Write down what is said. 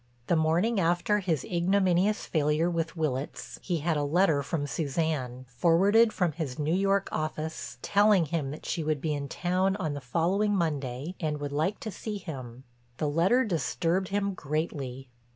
The morning after his ignominious failure with Willitts he had a letter from Suzanne, forwarded from his New York office, telling him that she would be in town on the following Monday and would like to see him. The letter disturbed him greatly.